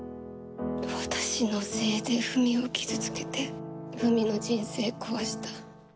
私のせいで文を傷つけて文の人生壊した。